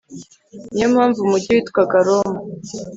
Niyo mpamvu umujyi witwaga Roma